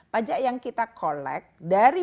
pajak yang kita collect dari